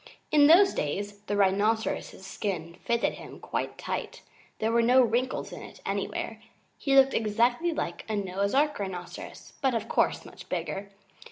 In those days the Rhinoceros's skin fitted him quite tight. There were no wrinkles in it anywhere. He looked exactly like a Noah's Ark Rhinoceros, but of course much bigger.